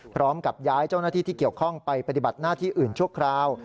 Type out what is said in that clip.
พร้อมกับย้ายเจ้าหน้าที่ที่เกี่ยวข้องไปปฏิบัติหน้าที่อื่นชั่วคราว